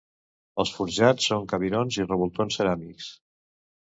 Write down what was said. Els forjats són cabirons i revoltons ceràmics.